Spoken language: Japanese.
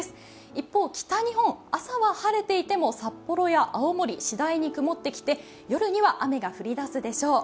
一方、北日本、朝は晴れていても札幌や青森次第に曇ってきて夜には雨が降り出すでしょう。